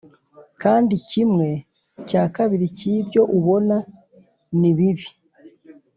kandi kimwe cya kabiri cyibyo ubona ni bibi